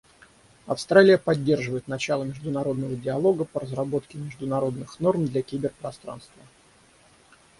Австралия поддерживает начало международного диалога по разработке международных норм для киберпространства.